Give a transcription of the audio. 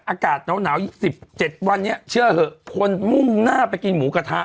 อากาศหนาว๑๗วันนี้เชื่อเหอะคนมุ่งหน้าไปกินหมูกระทะ